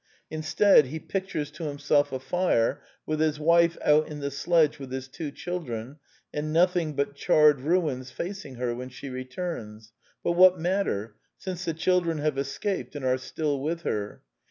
Instead, he pictures to himself a fire, with his wife out in the sledge with his two children, and nothing but charred ruins facing her when she returns; but what matter, since the children have escaped and are still with her?